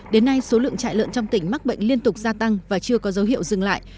đến nay số lượng trại lợn trong tỉnh mắc bệnh liên tục gia tăng và chưa có dấu hiệu dừng lại